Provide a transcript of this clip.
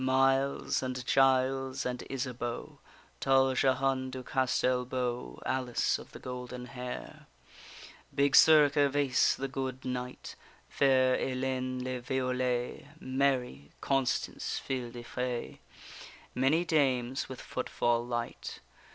Miles and Giles and Isabeau, Tall Jehane du Castel beau, Alice of the golden hair, Big Sir Gervaise, the good knight, Fair Ellayne le Violet, Mary, Constance fille de fay, Many dames with footfall light.